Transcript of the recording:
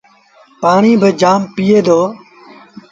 پآڻيٚ با جآم پييٚئي دو۔